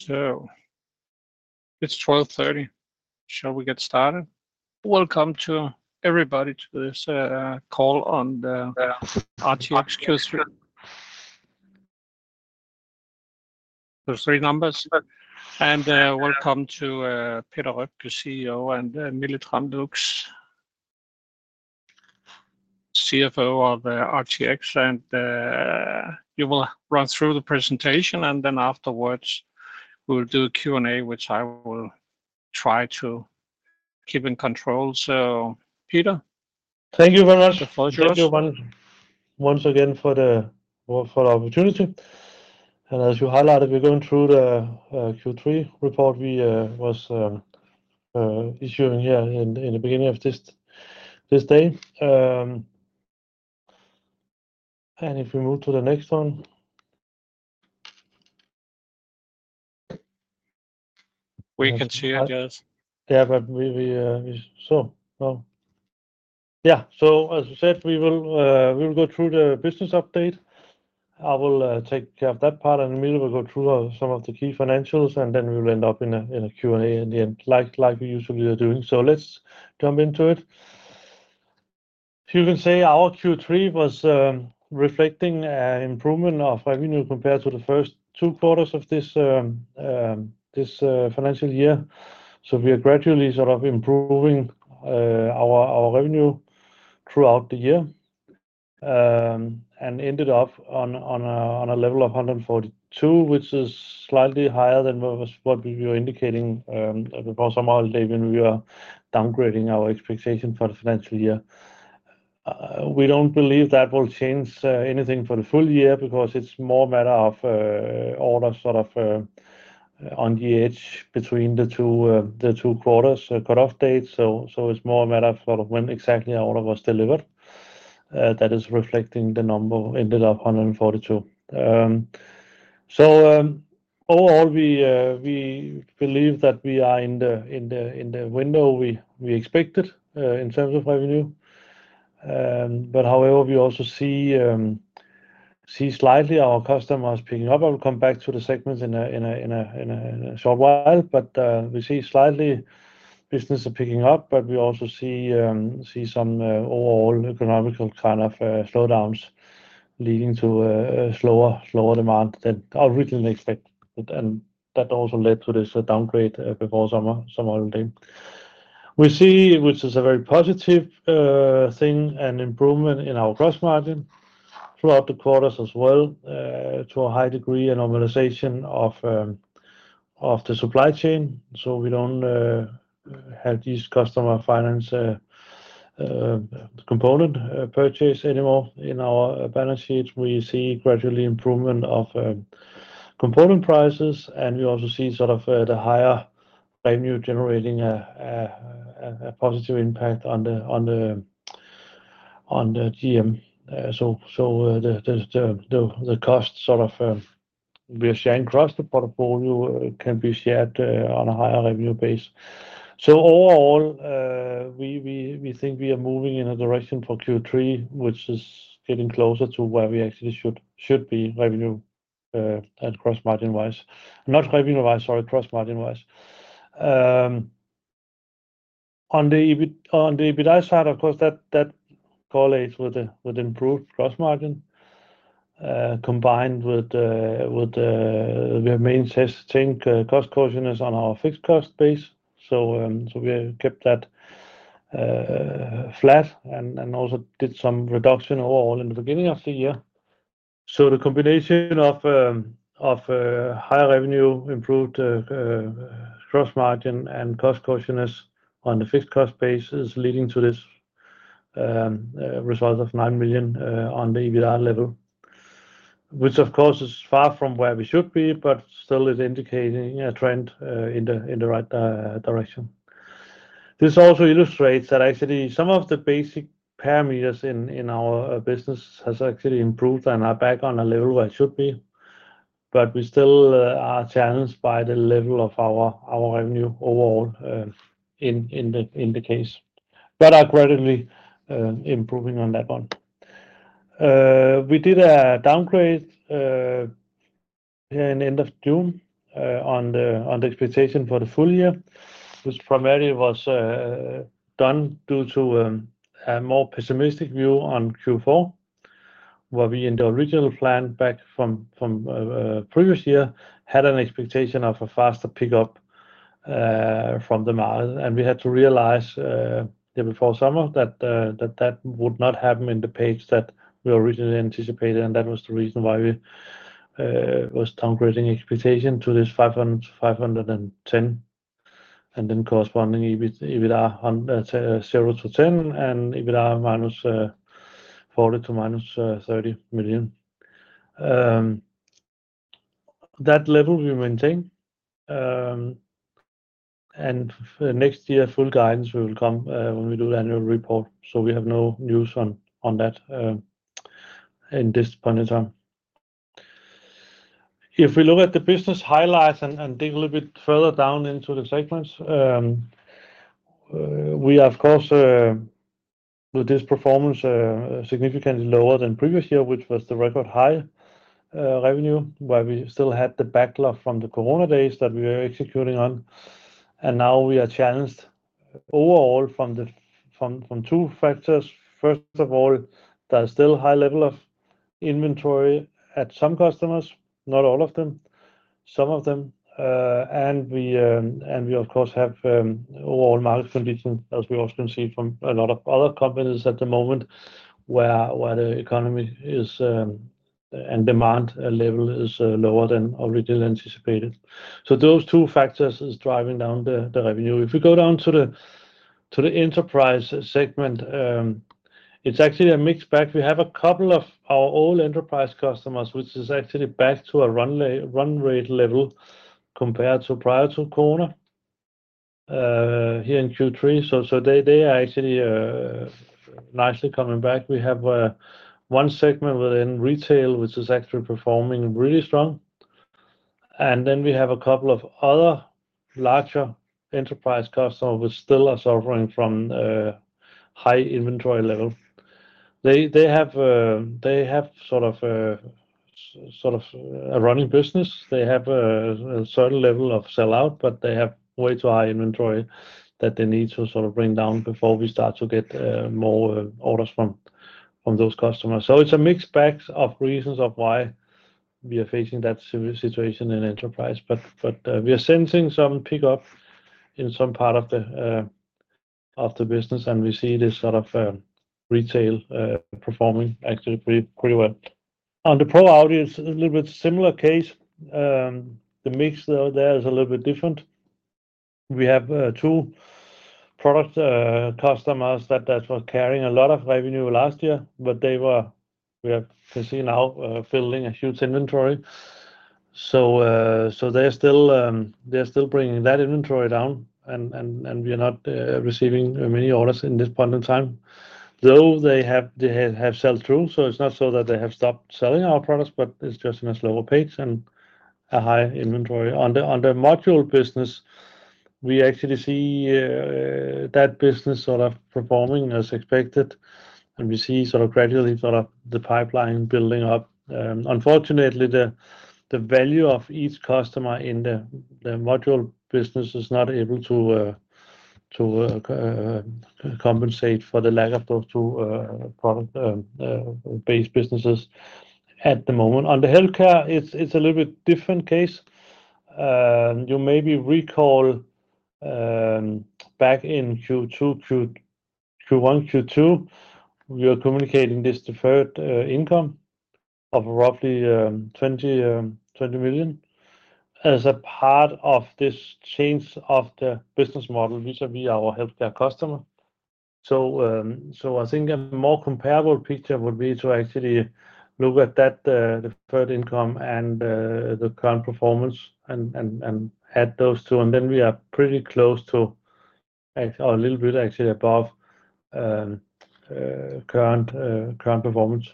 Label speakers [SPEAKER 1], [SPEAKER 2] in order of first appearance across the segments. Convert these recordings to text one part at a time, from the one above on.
[SPEAKER 1] It's 12:30 P.M. Shall we get started? Welcome to everybody to this call on the RTX Q3 numbers, and welcome to Peter Røpke, CEO, and Mille Tram Lux, CFO of RTX, and you will run through the presentation, and then afterwards, we will do a Q&A, which I will try to keep in control. So, Peter?
[SPEAKER 2] Thank you very much. The floor is yours. Thank you once again for the opportunity. And as you highlighted, we're going through the Q3 report we was issuing here in the beginning of this day. And if we move to the next one. We can see it, yes. So as I said, we will go through the business update. I will take care of that part, and Mille will go through some of the key financials, and then we will end up in a Q&A in the end, like we usually are doing. So let's jump into it. You can say our Q3 was reflecting improvement of revenue compared to the first two quarters of this financial year. So we are gradually sort of improving our revenue throughout the year, and ended up on a level of 142, which is slightly higher than what we were indicating before summer, when we were downgrading our expectation for the financial year. We don't believe that will change anything for the full year because it's more a matter of orders sort of on the edge between the two quarters cut-off date. So it's more a matter of sort of when exactly our order was delivered that is reflecting the number we ended up, 142. So overall, we believe that we are in the window we expected in terms of revenue. But however, we also see slightly our customers picking up. I will come back to the segments in a short while, but we see slightly business are picking up, but we also see some overall economic kind of slowdowns leading to a slower demand than I originally expected, and that also led to this downgrade before summer holiday. We see, which is a very positive thing, an improvement in our gross margin throughout the quarters as well, to a high degree, a normalization of the supply chain, so we don't have this customer finance component purchase anymore. In our balance sheet, we see gradually improvement of component prices, and we also see sort of the higher revenue generating a positive impact on the GM. So, the cost sort of we are sharing across the portfolio can be shared on a higher revenue base. So overall, we think we are moving in a direction for Q3, which is getting closer to where we actually should be, gross margin-wise. Not revenue-wise, sorry, gross margin-wise. On the EBIT, on the EBITDA side, of course, that correlates with the improved gross margin, combined with we have maintained cost cautiousness on our fixed cost base. So, we have kept that flat and also did some reduction overall in the beginning of the year. So the combination of higher revenue, improved gross margin, and cost cautiousness on the fixed cost base is leading to this result of 9 million on the EBITDA level, which of course is far from where we should be, but still is indicating a trend in the right direction. This also illustrates that actually some of the basic parameters in our business has actually improved and are back on a level where it should be, but we still are challenged by the level of our revenue overall in the case, but are gradually improving on that one. We did a downgrade in end of June on the expectation for the full year, which primarily was done due to a more pessimistic view on Q4, where we in the original plan back from previous year had an expectation of a faster pickup from the market, and we had to realize before summer that that would not happen in the pace that we originally anticipated, and that was the reason why we was downgrading expectation to this 500 million-510 million, and then corresponding EBIT DKK 100 million, EBITDA 0 million-10 million, and EBITDA -40 million to -30 million. That level we maintain, and for next year, full guidance will come when we do the annual report, so we have no news on that in this point in time. If we look at the business highlights and dig a little bit further down into the segments, we of course so this performance significantly lower than previous year, which was the record high revenue, where we still had the backlog from the COVID days that we were executing on, and now we are challenged overall from two factors. First of all, there are still high level of inventory at some customers, not all of them, some of them. We of course have overall market conditions, as we also can see from a lot of other companies at the moment, where the economy is and demand level is lower than originally anticipated, so those two factors is driving down the revenue. If we go down to the enterprise segment, it's actually a mixed bag. We have a couple of our old enterprise customers, which is actually back to a run rate level compared to prior to Corona here in Q3. They are actually nicely coming back. We have one segment within retail, which is actually performing really strong, and then we have a couple of other larger enterprise customers which still are suffering from high inventory level. They have sort of a running business. They have a certain level of sell-out, but they have way too high inventory that they need to sort of bring down before we start to get more orders from those customers. So it's a mixed bag of reasons of why we are facing that serious situation in Enterprise. But we are sensing some pickup in some part of the business, and we see this sort of retail performing actually pretty well. On the Pro Audio, it's a little bit similar case. The mix there is a little bit different. We have two product customers that were carrying a lot of revenue last year, but they were... we can see now filling a huge inventory. So, they're still bringing that inventory down, and we are not receiving many orders in this point in time, though they have sell-through, so it's not so that they have stopped selling our products, but it's just in a slower pace and a high inventory. On the module business, we actually see that business sort of performing as expected, and we see sort of gradually sort of the pipeline building up. Unfortunately, the value of each customer in the module business is not able to compensate for the lack of those two product based businesses at the moment. On the healthcare, it's a little bit different case. You maybe recall back in Q1, Q2, we are communicating this deferred income of roughly 20 million as a part of this change of the business model vis-a-vis our healthcare customer. So I think a more comparable picture would be to actually look at that the deferred income and the current performance and add those two, and then we are pretty close to or a little bit actually above current performance.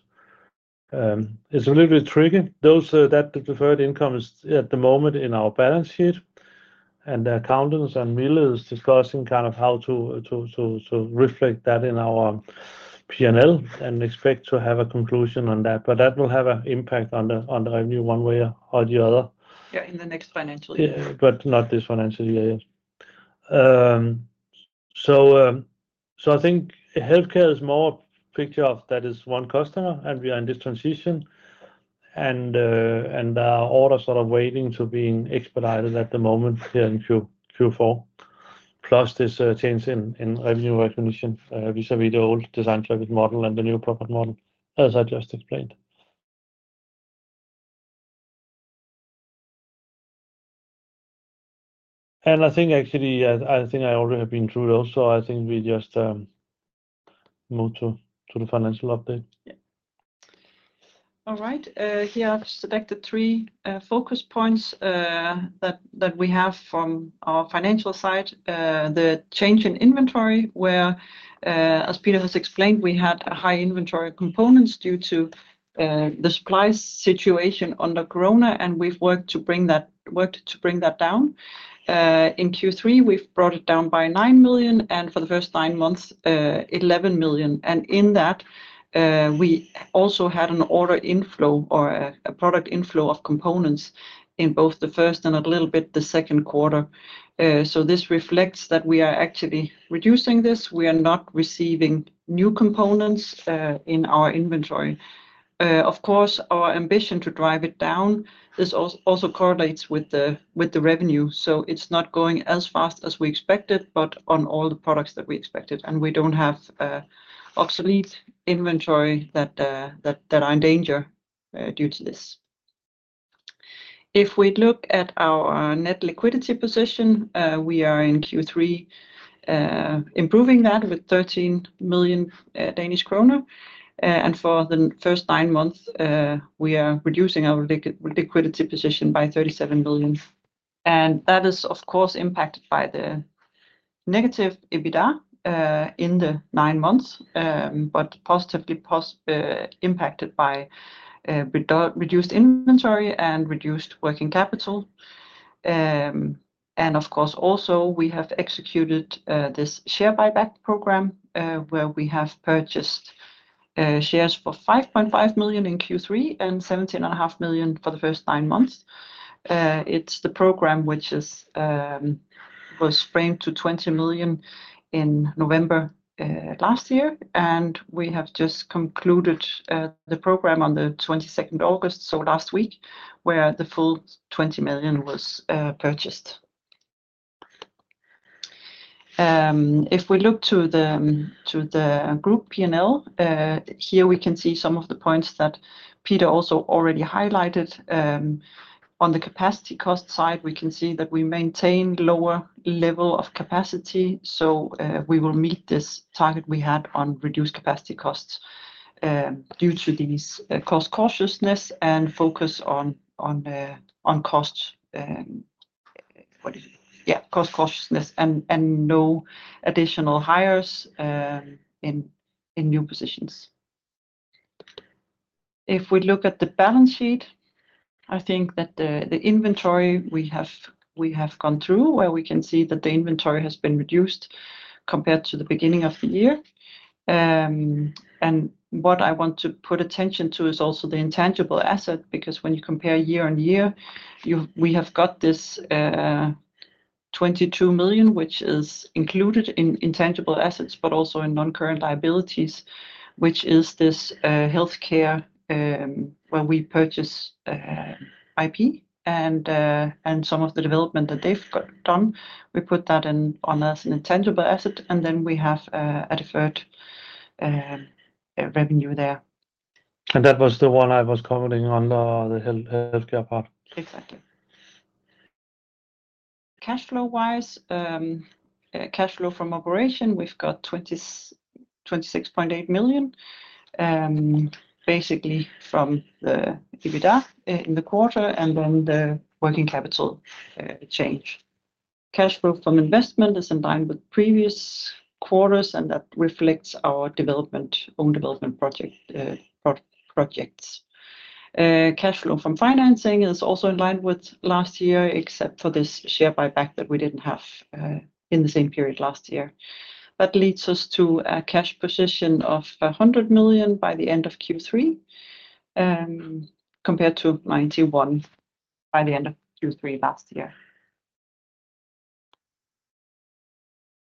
[SPEAKER 2] It's a little bit tricky. That deferred income is at the moment in our balance sheet, and the accountants and Mille is discussing kind of how to reflect that in our P&L, and expect to have a conclusion on that, but that will have an impact on the revenue, one way or the other.
[SPEAKER 3] Yeah, in the next financial year.
[SPEAKER 2] Yeah, but not this financial year. So I think healthcare is more a picture of that is one customer, and we are in this transition, and our order sort of waiting to being expedited at the moment here in Q4, plus this change in revenue recognition vis-a-vis the old design target model and the new product model, as I just explained. I think actually I think I already have been through those, so I think we just move to the financial update.
[SPEAKER 3] Yeah. All right, here I've selected three focus points that we have from our financial side. The change in inventory, where, as Peter has explained, we had a high inventory of components due to the supply situation under Corona, and we've worked to bring that down. In Q3, we've brought it down by 9 million, and for the first nine months, 11 million, and in that we also had an order inflow or a product inflow of components in both the first and a little bit the second quarter, so this reflects that we are actually reducing this. We are not receiving new components in our inventory. Of course, our ambition to drive it down. This also correlates with the revenue, so it's not going as fast as we expected, but on all the products that we expected, and we don't have obsolete inventory that are in danger due to this. If we look at our net liquidity position, we are in Q3 improving that with 13 million Danish kroner. For the first nine months, we are reducing our liquidity position by 37 billion. That is, of course, impacted by the negative EBITDA in the nine months, but positively impacted by reduced inventory and reduced working capital. Of course, also, we have executed this share buyback program, where we have purchased shares for 5.5 million in Q3 and 17.5 million for the first nine months. It's the program which is was framed to 20 million in November last year, and we have just concluded the program on the 22nd August, so last week, where the full 20 million was purchased. If we look to the group P&L, here we can see some of the points that Peter also already highlighted. On the capacity cost side, we can see that we maintained lower level of capacity, so we will meet this target we had on reduced capacity costs, due to these cost cautiousness and focus on cost. What is it? Yeah, cost cautiousness and no additional hires in new positions. If we look at the balance sheet, I think that the inventory we have we have gone through, where we can see that the inventory has been reduced compared to the beginning of the year, and what I want to put attention to is also the intangible asset, because when you compare year on year, we have got this 22 million, which is included in intangible assets, but also in non-current liabilities, which is this healthcare, where we purchase IP and some of the development that they've got done, we put that in on as an intangible asset, and then we have a deferred revenue there.
[SPEAKER 2] That was the one I was commenting on the healthcare part.
[SPEAKER 3] Exactly. Cash flow-wise, cash flow from operation, we've got 26.8 million, basically from the EBITDA in the quarter, and then the working capital change. Cash flow from investment is in line with previous quarters, and that reflects our development, own development projects. Cash flow from financing is also in line with last year, except for this share buyback that we didn't have in the same period last year. That leads us to a cash position of 100 million by the end of Q3, compared to 91 million by the end of Q3 last year.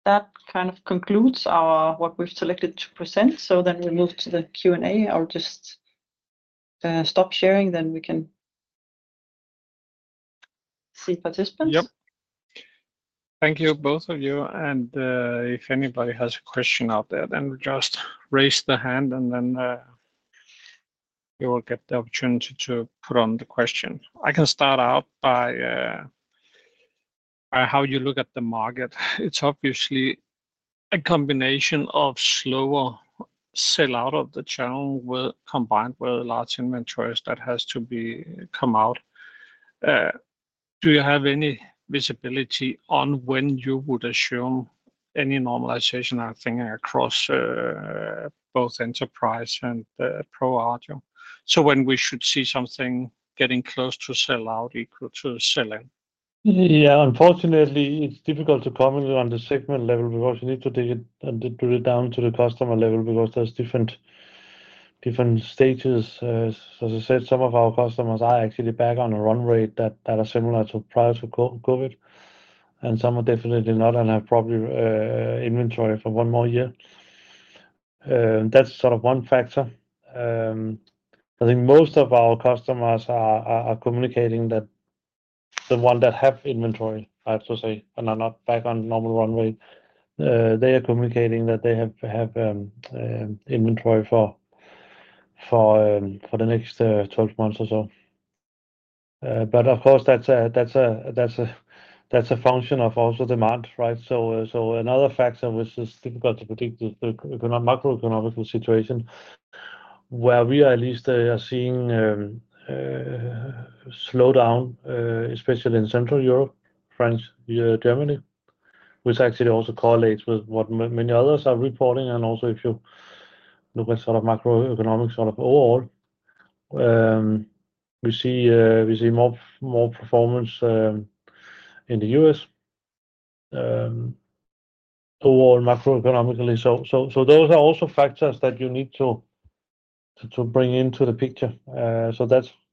[SPEAKER 3] That kind of concludes our... what we've selected to present, so then we'll move to the Q&A. I'll just stop sharing, then we can see participants. Yep. Thank you, both of you, and, if anybody has a question out there, then just raise the hand, and then, you will get the opportunity to put on the question. I can start out by how you look at the market. It's obviously a combination of slower sell out of the channel with, combined with large inventories that has to come out. Do you have any visibility on when you would assume any normalization, I think, across both enterprise and pro audio? So when we should see something getting close to sell out, equal to sell in.
[SPEAKER 2] Yeah, unfortunately, it's difficult to comment on the segment level because you need to dig it down to the customer level, because there's different stages. As I said, some of our customers are actually back on a run rate that are similar to prior to COVID, and some are definitely not and have probably inventory for one more year. That's sort of one factor. I think most of our customers are communicating that the ones that have inventory, I have to say, and are not back on normal run rate, they are communicating that they have inventory for the next twelve months or so. But of course, that's a function of also demand, right? Another factor which is difficult to predict is the macroeconomic situation, where we are at least seeing a slowdown, especially in Central Europe, France, Germany, which actually also correlates with what many others are reporting. Also, if you look at sort of macroeconomic sort of overall, we see more performance in the U.S., overall macroeconomically. Those are also factors that you need to bring into the picture.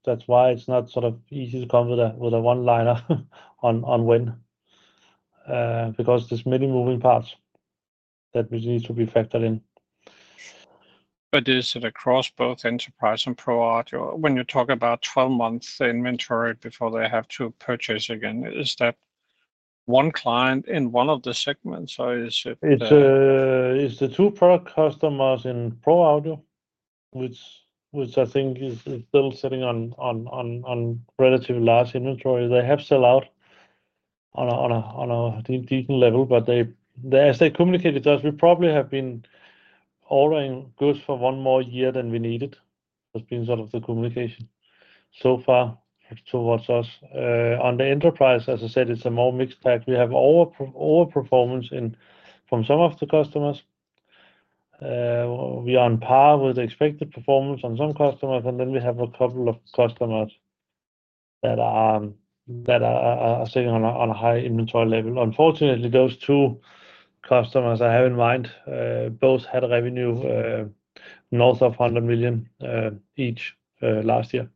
[SPEAKER 2] That's why it's not sort of easy to come with a one-liner on when, because there's many moving parts that which needs to be factored in. But is it across both Enterprise and Pro Audio? When you talk about 12 months inventory before they have to purchase again, is that one client in one of the segments, or is it? It's the top two product customers in Pro Audio, which I think is still sitting on relatively large inventory. They have sell-out on a decent level, but as they communicated to us, "We probably have been ordering goods for one more year than we needed." That's been sort of the communication so far towards us. On the Enterprise, as I said, it's a more mixed bag. We have overperformance from some of the customers. We are on par with the expected performance on some customers, and then we have a couple of customers that are sitting on a high inventory level. Unfortunately, those two customers I have in mind both had a revenue north of 100 million each last year.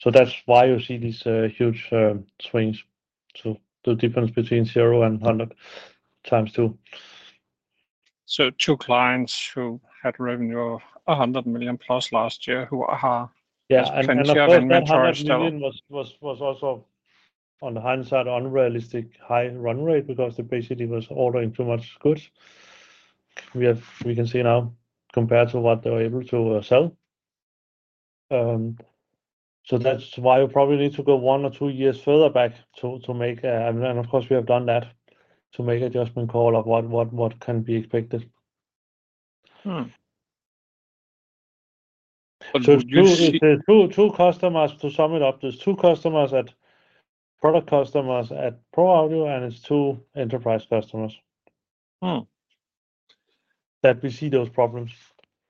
[SPEAKER 2] So that's why you see these huge swings to the difference between zero and 100 x 2. So two clients who had revenue of 100 million+ last year, who are- Yeah, and- Have plenty of inventory still. And of course, that 100 million was also, in hindsight, unrealistically high run rate because they basically was ordering too much goods. We can see now compared to what they were able to sell. So that's why you probably need to go one or two years further back to make... And of course, we have done that, to make an adjustment call of what can be expected. Hmm. But would you see- Two customers, to sum it up. There's two product customers at Pro Audio, and it's two Enterprise customers. Hmm That we see those problems.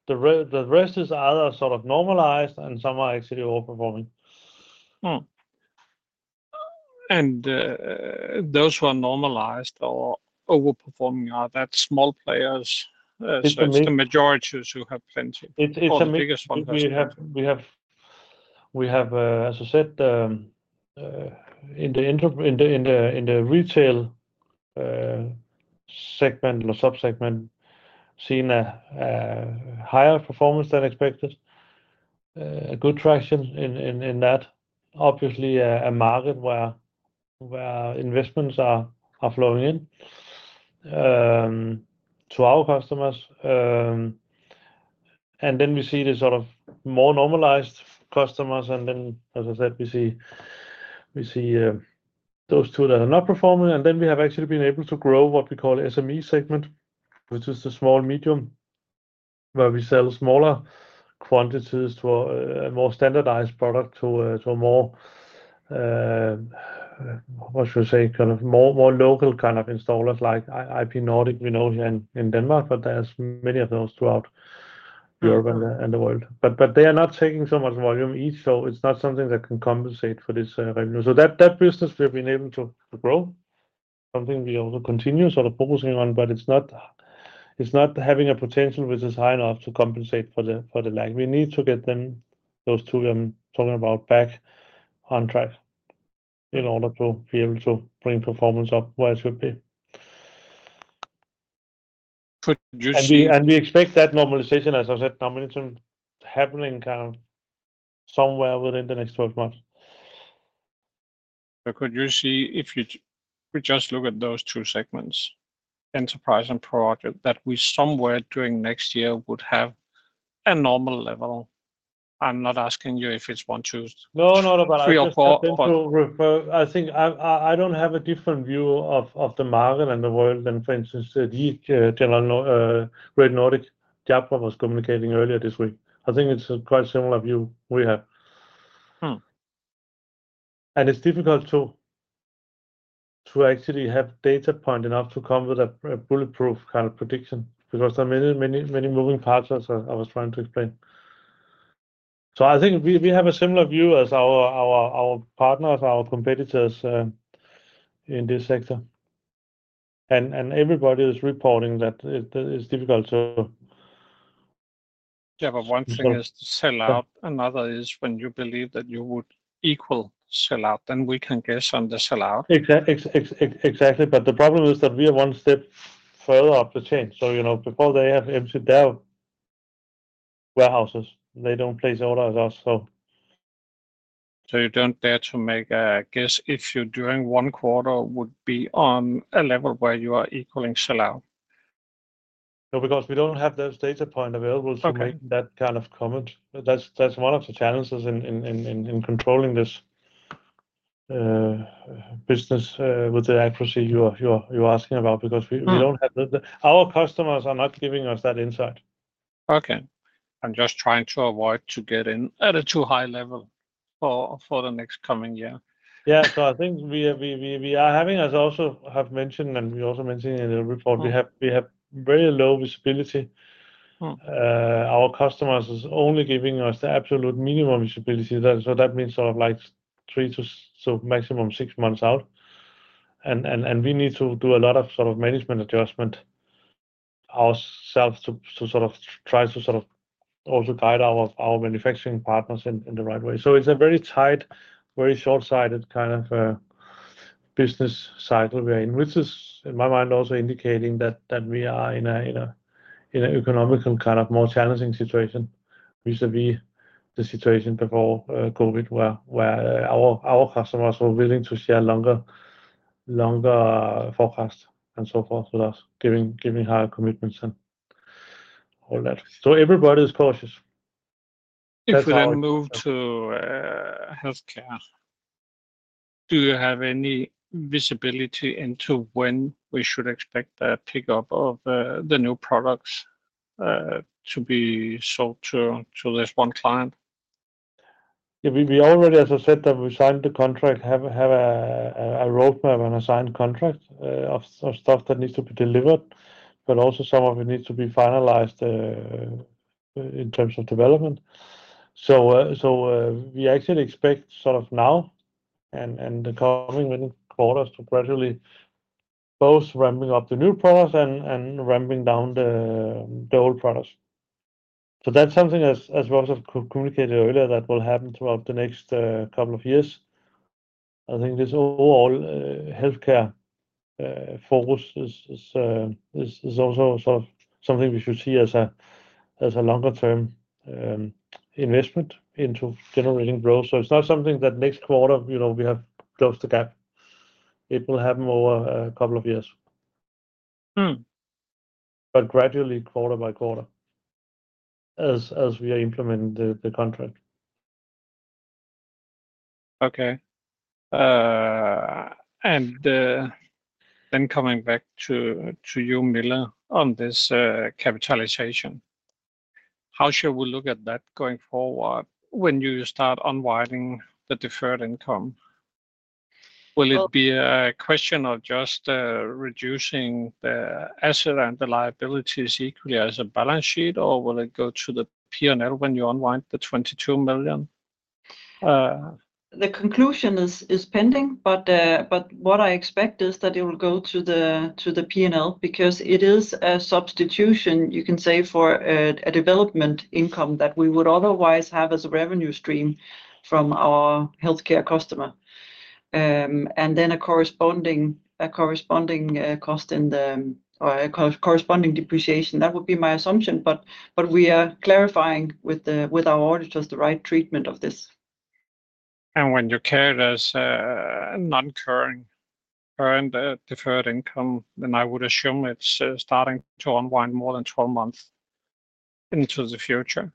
[SPEAKER 2] The rest is either sort of normalized, and some are actually overperforming. Those who are normalized or overperforming, are those small players? It may- So it's the majorities who have plenty- It's a- Or the biggest one customer. We have, as I said, in the retail segment or sub-segment, seen a higher performance than expected. A good traction in that. Obviously, a market where investments are flowing in to our customers. And then we see the sort of more normalized customers, and then, as I said, we see those two that are not performing. And then we have actually been able to grow what we call SME segment, which is the small-medium, where we sell smaller quantities to a more standardized product, to a more, what should I say? Kind of more local kind of installers like ipnordic, we know here in Denmark, but there's many of those throughout Europe- Mm-hmm And the world. But they are not taking so much volume each, so it's not something that can compensate for this revenue. So that business we've been able to grow, something we also continue sort of focusing on, but it's not having a potential which is high enough to compensate for the lag. We need to get them, those two I'm talking about, back on track in order to be able to bring performance up where it should be. Could you see- We expect that normalization, as I said, normalization happening kind of somewhere within the next 12 months. So could you see, if we just look at those two segments, enterprise and product, that we somewhere during next year would have a normal level? I'm not asking you if it's one, two- No, no, but I just- Three or four, but- I think I don't have a different view of the market and the world than, for instance, GN Store Nord, Jabra was communicating earlier this week. I think it's a quite similar view we have. Hmm. And it's difficult to actually have data point enough to come with a bulletproof kind of prediction, because there are many, many, many moving parts, as I was trying to explain. So I think we have a similar view as our partners, our competitors in this sector. And everybody is reporting that it's difficult to- Yeah, but one thing is to sell out, another is when you believe that you would equal sell out, then we can guess on the sell out. Exactly. But the problem is that we are one step further up the chain. So, you know, before they have emptied out warehouses, they don't place orders with us, so... So you don't dare to make a guess if you, during one quarter, would be on a level where you are equaling sell out? No, because we don't have those data points available- Okay To make that kind of comment. That's one of the challenges in controlling this business with the accuracy you're asking about, because we- Hmm We don't have. Our customers are not giving us that insight. Okay. I'm just trying to avoid to get in at a too high level for the next coming year. Yeah, so I think we are having, as I also have mentioned, and we also mentioned in the report we have very low visibility. Our customers is only giving us the absolute minimum visibility. That, so that means sort of like three to maximum six months out. And we need to do a lot of sort of management adjustment ourselves to sort of try to also guide our manufacturing partners in the right way. So it's a very tight, very short-sighted kind of business cycle we're in, which is, in my mind, also indicating that we are in a economic kind of more challenging situation, vis-a-vis the situation before COVID, where our customers were willing to share longer forecasts and so forth with us, giving higher commitments and all that. So everybody is cautious. If we then move to healthcare, do you have any visibility into when we should expect a pickup of the new products to be sold to this one client? Yeah, we already, as I said, that we signed the contract, have a roadmap and a signed contract of stuff that needs to be delivered, but also some of it needs to be finalized in terms of development. So we actually expect sort of now and the coming quarters to gradually both ramping up the new products and ramping down the old products. So that's something as we also communicated earlier, that will happen throughout the next couple of years. I think this overall healthcare focus is also sort of something we should see as a longer-term investment into generating growth. So it's not something that next quarter, you know, we have closed the gap. It will happen over a couple of years. Hmm. But gradually, quarter by quarter, as we are implementing the contract. Okay. And then coming back to you, Mille, on this capitalization, how should we look at that going forward when you start unwinding the deferred income?
[SPEAKER 3] Well- Will it be a question of just reducing the asset and the liabilities equally as a balance sheet, or will it go to the P&L when you unwind the 22 million? The conclusion is pending, but what I expect is that it will go to the P&L because it is a substitution, you can say, for a development income that we would otherwise have as a revenue stream from our healthcare customer, and then a corresponding cost in the or a corresponding depreciation. That would be my assumption, but we are clarifying with our auditors the right treatment of this. And when you count as a non-current, earned, deferred income, then I would assume it's starting to unwind more than 12 months into the future.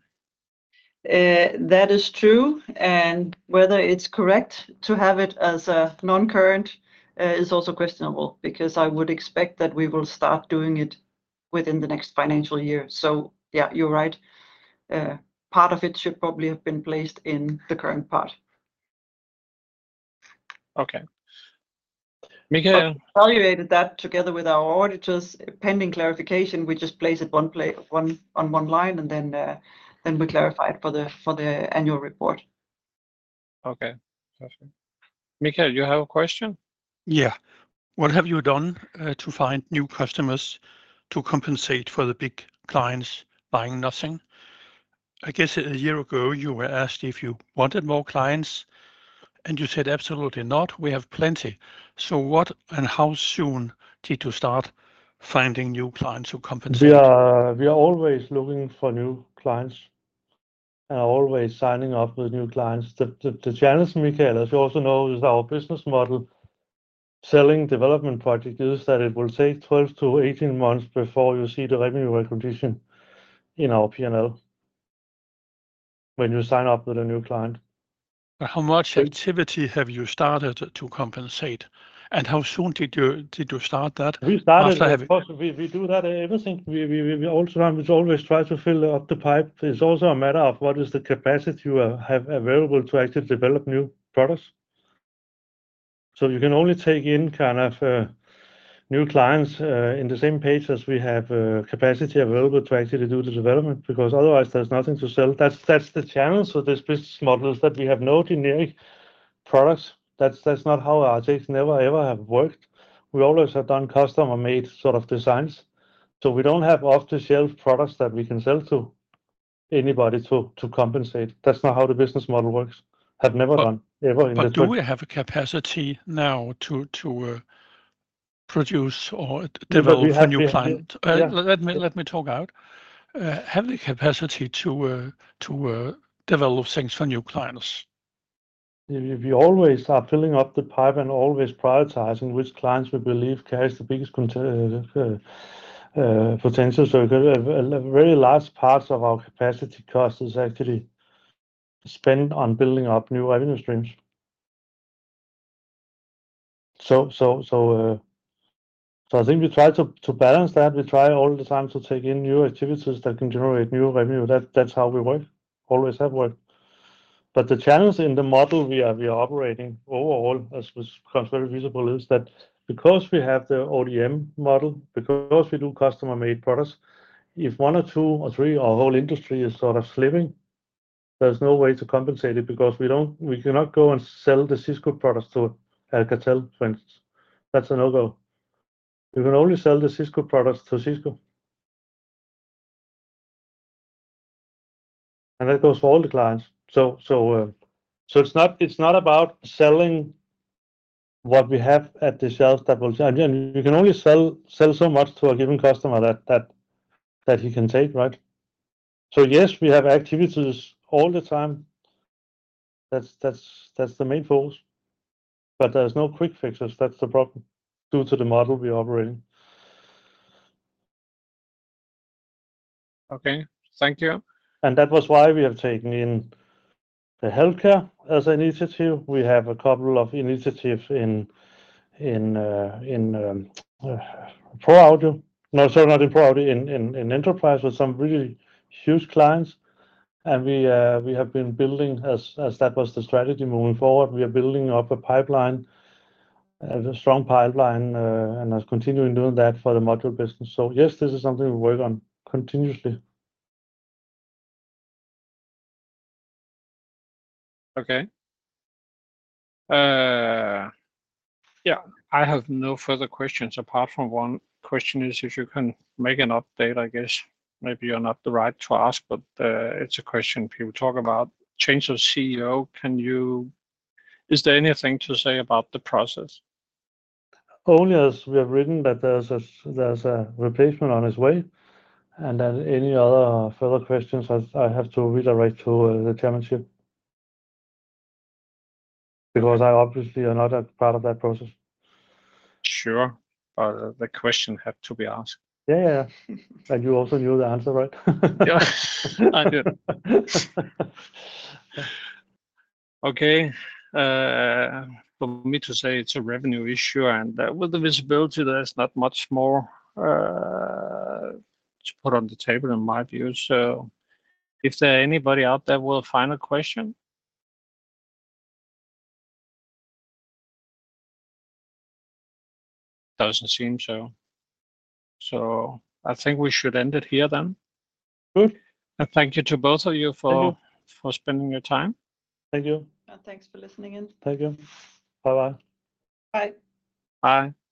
[SPEAKER 3] That is true, and whether it's correct to have it as a non-current is also questionable, because I would expect that we will start doing it within the next financial year. So yeah, you're right. Part of it should probably have been placed in the current part. Okay. Michael- We evaluated that together with our auditors. Pending clarification, we just place it one place, one on one line, and then we clarify it for the annual report. Okay. Perfect. Michael, you have a question? Yeah. What have you done to find new customers to compensate for the big clients buying nothing? I guess a year ago you were asked if you wanted more clients, and you said, "Absolutely not. We have plenty." So what and how soon did you start finding new clients to compensate?
[SPEAKER 2] We are always looking for new clients and are always signing up with new clients. The challenge, Michael, as you also know, is our business model. Selling development project is that it will take twelve to eighteen months before you see the revenue recognition in our P&L when you sign up with a new client. But how much activity have you started to compensate, and how soon did you start that? We started- After having- Of course, we do everything all the time. We always try to fill up the pipe. It's also a matter of what is the capacity you have available to actually develop new products. So you can only take in kind of new clients in the same pace as we have capacity available to actually do the development, because otherwise there's nothing to sell. That's the challenge with this business model, is that we have no generic products. That's not how RTX never, ever have worked. We always have done custom-made sort of designs, so we don't have off-the-shelf products that we can sell to anybody to compensate. That's not how the business model works. Have never done, ever in the- Do we have a capacity now to produce or develop a new client? Well, we have- Let me talk about. Have the capacity to develop things for new clients. We always are filling up the pipe and always prioritizing which clients we believe carries the biggest potential. So a very large part of our capacity cost is actually spent on building up new revenue streams. So I think we try to balance that. We try all the time to take in new activities that can generate new revenue. That's how we work, always have worked. But the challenge in the model we are operating overall, as was considered visible, is that because we have the ODM model, because we do customer-made products, if one or two or three, our whole industry is sort of slipping, there's no way to compensate it because we cannot go and sell the Cisco products to Alcatel, for instance. That's a no-go. We can only sell the Cisco products to Cisco, and that goes for all the clients. So it's not about selling what we have on the shelf. Again, you can only sell so much to a given customer that he can take, right? So yes, we have activities all the time. That's the main force, but there's no quick fixes. That's the problem due to the model we are operating. Okay. Thank you. That was why we have taken in the healthcare as an initiative. We have a couple of initiatives in pro audio. No, sorry, not in pro audio, in enterprise with some really huge clients. We have been building, as that was the strategy moving forward, we are building up a pipeline, a strong pipeline, and are continuing doing that for the module business. Yes, this is something we work on continuously. Okay. Yeah, I have no further questions, apart from one question is if you can make an update. I guess maybe you're not the right to ask, but, it's a question. People talk about change of CEO. Can you... Is there anything to say about the process? Only as we have written, that there's a replacement on his way, and then any other further questions, I have to redirect to the chairmanship, because I obviously am not a part of that process. Sure, but the question had to be asked. Yeah, yeah. And you also knew the answer, right? Yeah, I knew. Okay, for me to say it's a revenue issue, and, with the visibility, there is not much more, to put on the table, in my view. So if there are anybody out there with a final question? Doesn't seem so. So I think we should end it here then. Good. And thank you to both of you for- Thank you For spending your time. Thank you.
[SPEAKER 3] Thanks for listening in.
[SPEAKER 2] Thank you. Bye-bye.
[SPEAKER 3] Bye. Bye.